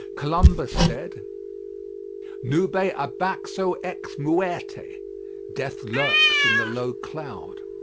Columbus said, "Nube abaxo ex muerte," death lurks in the low cloud.